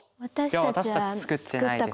私たちは作ったことないです。